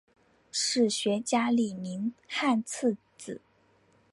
史学家李铭汉次子。